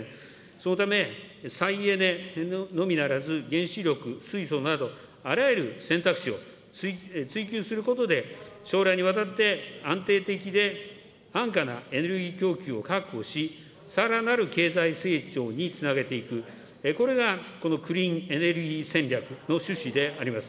そのため、再エネのみならず原子力、水素など、あらゆる選択肢を追求することで、将来にわたって安定的で安価なエネルギー供給を確保し、さらなる経済成長につなげていく、これがこのクリーンエネルギー戦略の趣旨であります。